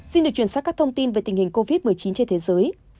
xin được truyền sát các thông tin về tình hình covid một mươi chín trên thế giới